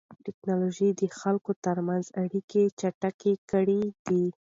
تکنالوژي د خلکو ترمنځ اړیکې چټکې کړې دي.